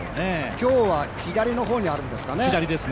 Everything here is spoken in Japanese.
今日は左の方にあるんですかね。